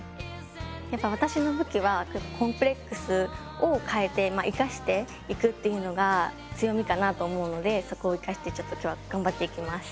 やっぱ私の武器はコンプレックスを変えて生かしていくっていうのが強みかなと思うのでそこを生かしてちょっと今日は頑張っていきます。